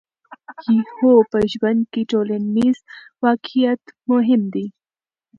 هو، په ژوند کې ټولنیز واقعیت مهم دی.